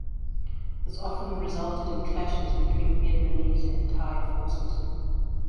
This often resulted in clashes between Vietnamese and Thai forces.